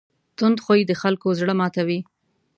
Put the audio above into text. تند خوی د خلکو زړه ماتوي.